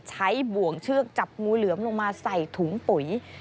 บ่วงเชือกจับงูเหลือมลงมาใส่ถุงปุ๋ย